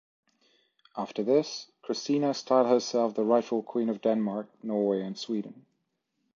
After this, Christina styled herself the rightful Queen of Denmark, Norway and Sweden.